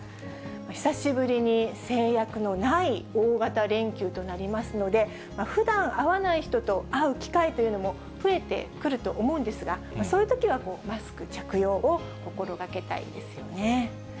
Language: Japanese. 久しぶりに制約のない大型連休となりますので、ふだん会わない人と会う機会というのも増えてくると思うんですが、そういうときは、マスク着用を心がけたいですよね。